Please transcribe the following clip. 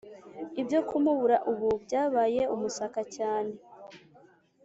ibyo kumubura ubu byabaye umusaka cyane.